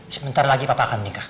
sebentar lagi bapak akan menikah